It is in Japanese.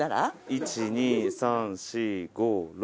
１２３４５６。